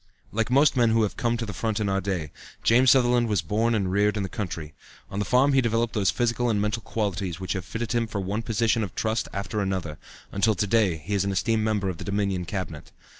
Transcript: Like most men who have come to the front in our day, James Sutherland was born and reared in the country. On the farm he developed those physical and mental qualities which have fitted him for one position of trust after another, until to day he is an esteemed member of the Dominion Cabinet.